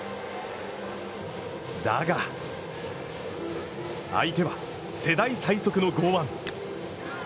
だが相手は世代最速の剛腕。